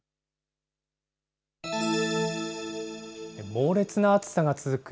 猛烈な暑さが続く